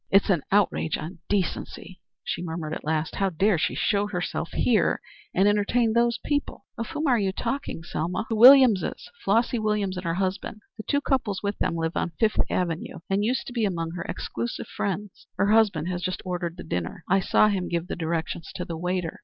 "It's an outrage on decency," she murmured, at last. "How dare she show herself here and entertain those people?" "Of whom are you talking, Selma?" "The Williamses. Flossy Williams and her husband. The two couples with them live on Fifth Avenue, and used to be among her exclusive friends. Her husband has just ordered the dinner. I saw him give the directions to the waiter.